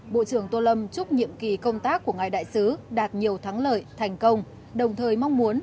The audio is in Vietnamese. bộ trưởng tô lâm chúc nhiệm kỳ công tác của ngài đại sứ đạt nhiều thắng lợi thành công đồng thời mong muốn